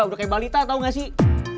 udah kayak balita tahu gak sih